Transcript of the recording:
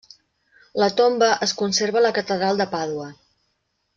La tomba es conserva a la catedral de Pàdua.